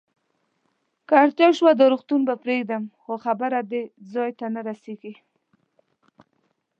که اړتیا شوه، دا روغتون به پرېږدم، خو خبره دې ځای ته نه رسېږي.